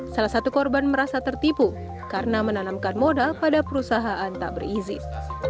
salah satu korban merasa tertipu karena menanamkan modal pada perusahaan tak berizin